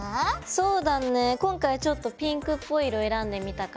そうだね今回ちょっとピンクっぽい色選んでみたから。